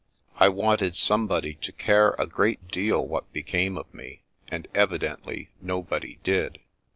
I wanted somebody to care a great deal what became of me, and evidently nobody did.